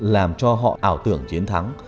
làm cho họ ảo tưởng chiến thắng